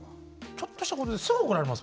ちょっとしたことですぐ怒られますもん。